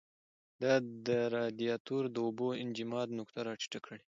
دا د رادیاتور د اوبو انجماد نقطه را ټیټه کړي.